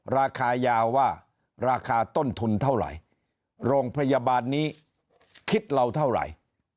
ราคายาวว่าราคาต้นทุนเท่าไหร่โรงพยาบาลนี้คิดเราเท่าไหร่